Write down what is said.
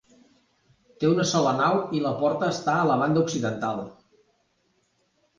Té una sola nau i la porta està a la banda occidental.